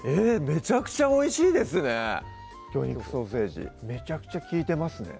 めちゃくちゃおいしいですね魚肉ソーセージめちゃくちゃ利いてますね